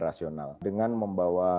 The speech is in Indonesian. rasional dengan membawa